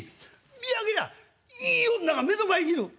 見上げりゃいい女が目の前にいる！